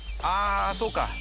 ああそうか。